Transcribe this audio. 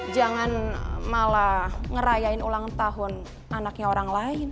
jangan malah ngerayain ulang tahun anaknya orang lain